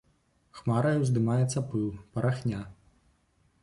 Хмарай уздымаецца пыл, парахня.